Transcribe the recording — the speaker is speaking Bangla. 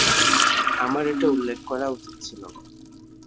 আমার এটা উল্লেখ করা উচিত ছিল।